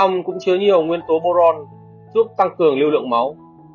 ông cũng chứa nhiều nguyên tố boron giúp tăng cường lưu lượng máu